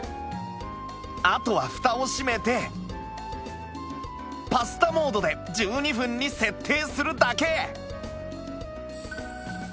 あとは蓋を閉めてパスタモードで１２分に設定するだけ！